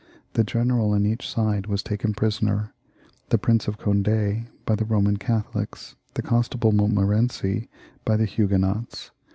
The general on each side was taken prisoner — ^the Prince of Cond6 by the Eoman Catholics, the Constable Montmor ency by the Huguenots.